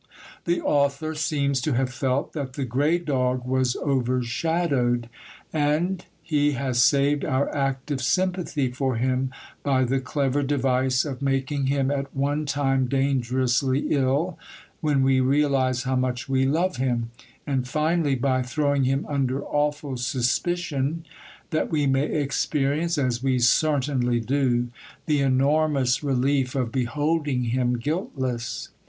The author seems to have felt that the Grey Dog was overshadowed; and he has saved our active sympathy for him by the clever device of making him at one time dangerously ill, when we realise how much we love him; and finally by throwing him under awful suspicion, that we may experience as we certainly do the enormous relief of beholding him guiltless.